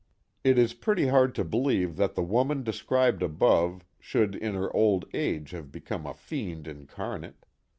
It is pretty hard to believe that the woman described above should in her old age have become a fiend incarnate.